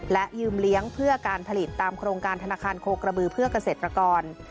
และยืมเลี้ยงเพื่อการผลิตตามโครงการธนาคารโคกระบือเพื่อเกษตรกร